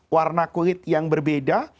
warna kulit yang berbeda